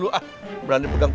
itu bisa dianggap